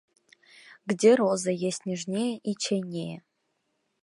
Где роза есть нежнее и чайнее?